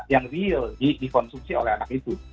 yang real dikonsumsi oleh anak itu